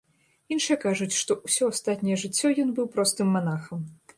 Іншыя кажуць, што ўсё астатняе жыццё ён быў простым манахам.